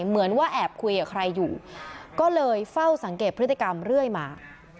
เหมือนว่าแอบคุยกับใครอยู่ก็เลยเฝ้าสังเกตพฤติกรรมเรื่อยมา